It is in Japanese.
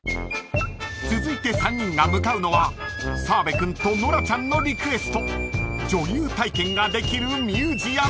［続いて３人が向かうのは澤部君とノラちゃんのリクエスト女優体験ができるミュージアムです］